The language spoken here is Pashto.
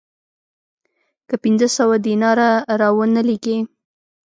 که پنځه سوه دیناره را ونه لېږې